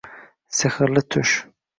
Sehri tush